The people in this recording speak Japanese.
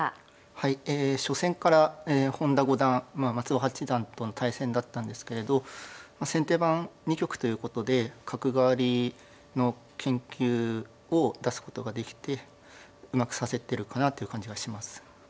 初戦から本田五段松尾八段との対戦だったんですけれど先手番２局ということで角換わりの研究を出すことができてうまく指せてるかなという感じがします。